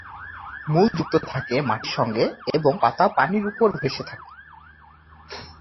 মূল যুক্ত থাকে মাটির সঙ্গে এবং পাতা পানির উপর ভেসে থাকে।